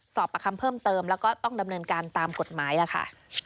ประคำเพิ่มเติมแล้วก็ต้องดำเนินการตามกฎหมายล่ะค่ะ